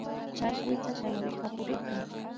Chay kuytsa shayarishpa purirka